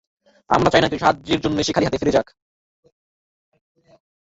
আমরা চাইনা কেউ সাহায্যের জন্য এসে খালি হাতে ফিরে যাক।